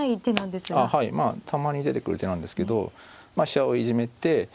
たまに出てくる手なんですけど飛車をいじめて。